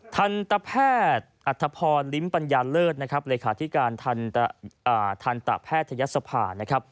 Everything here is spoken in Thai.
ทันตะแพทย์อัตภพริมปัญญาเลิศเลขาธิการทันตะแพทยศภา